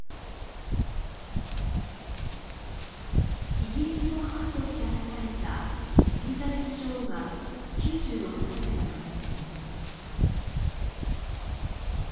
「イギリスの母」として愛されたエリザベス女王が９６歳で亡くなったのです。